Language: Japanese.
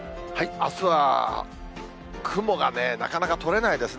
あすは雲がね、なかなか取れないですね。